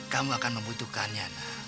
kamu akan membutuhkannya nak